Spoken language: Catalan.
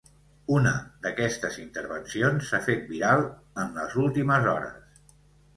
Una d’aquestes intervencions s’ha fet viral en les últimes hores.